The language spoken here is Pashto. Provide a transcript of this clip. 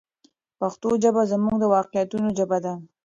پښتو ژبه زموږ د واقعیتونو ژبه ده.